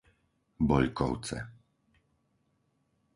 Boľkovce